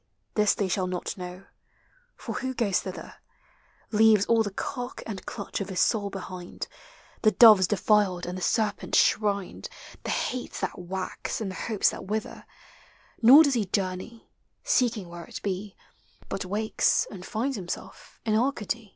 this they shall not know; For who goes thither, Leaves all the cark and clutch of his soul behind, The doves defiled and the serpents shrined, The hates that wax and the hopes that wither; Nor does he journey, seeking where it be, But wakes and finds himself in Arcady.